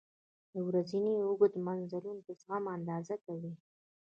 • د ورځې اوږده مزلونه د زغم اندازه کوي.